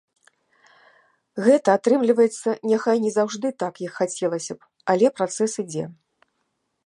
Гэта атрымліваецца, няхай не заўжды так, як хацелася б, але працэс ідзе.